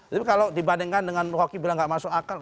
tapi kalau dibandingkan dengan rocky bilang nggak masuk akal